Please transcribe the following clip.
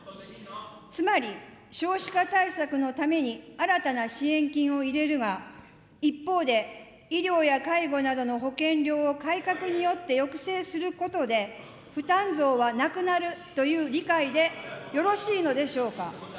つまり、少子化対策のために新たな支援金を入れるが、一方で医療や介護などの保険料を改革によって抑制することで、負担増はなくなるという理解でよろしいのでしょうか。